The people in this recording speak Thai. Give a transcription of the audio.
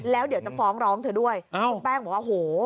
แล้วเดี๋ยวจะฟ้องร้องเธอด้วยคุณแป้งบอกว่าโห